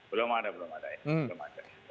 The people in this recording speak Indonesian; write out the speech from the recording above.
belum ada belum ada ya